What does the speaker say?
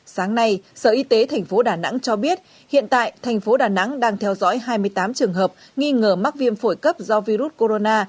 sáng nay sở y tế tp đà nẵng cho biết hiện tại thành phố đà nẵng đang theo dõi hai mươi tám trường hợp nghi ngờ mắc viêm phổi cấp do virus corona